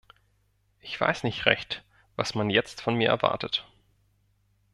Ich weiß nicht recht, was man jetzt von mir erwartet.